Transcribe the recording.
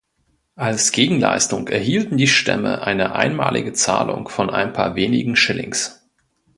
Als Gegenleistung erhielten die Stämme eine einmalige Zahlung von ein paar wenigen Shillings.